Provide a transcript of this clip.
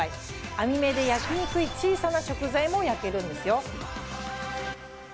編み目で焼きにくい小さな食材も焼けるんですよ。